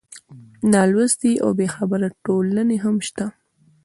نالوستې او بېخبره ټولنې هم شته.